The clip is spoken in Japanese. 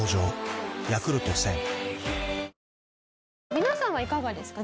皆さんはいかがですか？